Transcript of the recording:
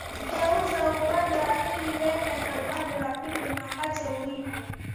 Geuza upande wa pili weka na upande wa pili makate uive